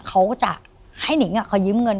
เขาก็จะให้นิงเขายืมเงิน